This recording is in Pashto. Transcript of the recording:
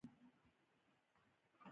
یا لبیک! یې ورته ولیکل.